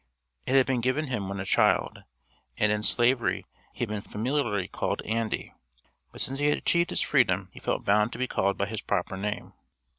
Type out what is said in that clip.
It had been given him when a child, and in Slavery he had been familiarly called "Andy," but since he had achieved his freedom he felt bound to be called by his proper name.